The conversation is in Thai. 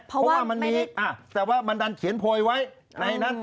เพราะว่ามันมีแต่ว่ามันดันเขียนโพยไว้ในนั้น